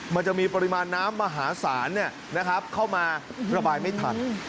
มันจะมีปริมาณน้ำมหาศาลเนี่ยนะครับเข้ามาระบายไม่ถัด